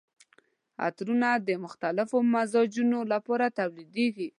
عطرونه د مختلفو مزاجونو لپاره تولیدیږي.